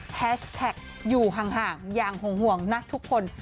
แฮชแท็กอยู่ห่างอย่างห่วงนะทุกคน